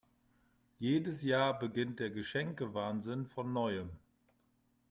Jedes Jahr beginnt der Geschenke-Wahnsinn von Neuem.